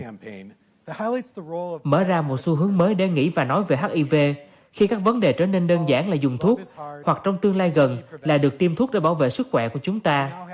mở ra một xu hướng mới để nghĩ và nói về hiv khi các vấn đề trở nên đơn giản là dùng thuốc hoặc trong tương lai gần là được tiêm thuốc để bảo vệ sức khỏe của chúng ta